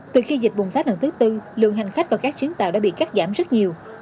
từ khi dịch bùng phát lần thứ tư lượng hành khách và các chuyến tàu đã bị cắt giảm rất nhiều